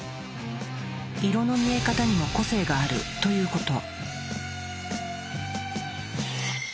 色の見え方にも個性があるということ。